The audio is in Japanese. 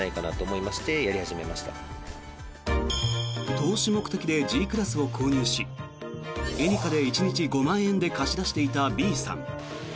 投資目的でＧクラスを購入しエニカで１日５万円で貸し出していたＢさん。